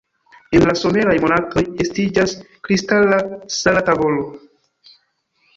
En la someraj monatoj estiĝas kristala sala tavolo.